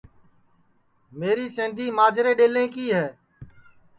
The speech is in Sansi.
میری سیندی ماجرے ڈؔیلیں کی ہے